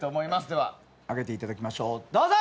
では上げていただきましょうどうぞ！